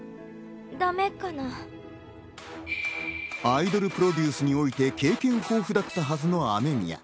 アイドルプロデュースにおいて経験豊富だったはずの雨宮。